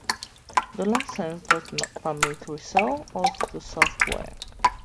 The license does not permit resale of the software.